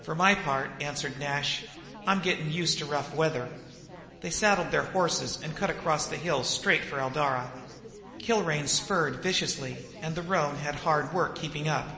"For my part," answered Nash, "I'm gettin' used to rough weather." They saddled their horses and cut across the hills straight for Eldara. Kilrain spurred viciously, and the roan had hard work keeping up.